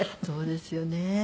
そうですよね。